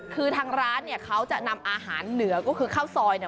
คือทางร้านเขาจะนำอาหารเหนือก็คือข้าวซอย